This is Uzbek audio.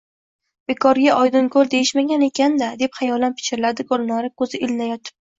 — Bekorga Oydinkoʼl deyishmagan ekan-da, — deb xayolan pichirladi Gulnora koʼzi ilinayotib.